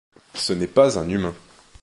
Ce n'est pas un humain.